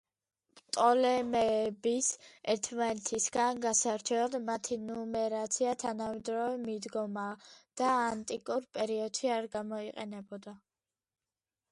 პტოლემეების ერთმანეთისგან გასარჩევად მათი ნუმერაცია თანამედროვე მიდგომაა და ანტიკურ პერიოდშ არ გამოიყენებოდა.